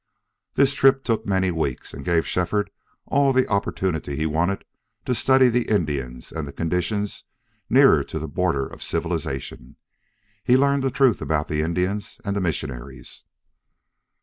This trip took many weeks and gave Shefford all the opportunity he wanted to study the Indians, and the conditions nearer to the border of civilization. He learned the truth about the Indians and the missionaries.